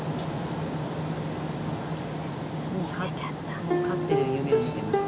もう寝ちゃった。